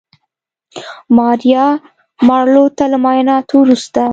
ماریا مارلو ته له معاینانو وروسته